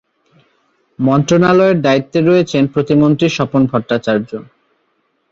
মন্ত্রণালয়ের দায়িত্বে রয়েছেন প্রতিমন্ত্রী স্বপন ভট্টাচার্য্য।